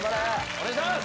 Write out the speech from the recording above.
お願いします